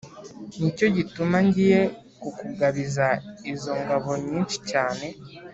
ni cyo gituma ngiye kukugabiza izo ngabo nyinshi cyane